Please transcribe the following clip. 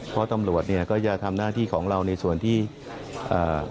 เพราะตำรวจเนี่ยก็จะทำหน้าที่ของเราในส่วนที่อ่า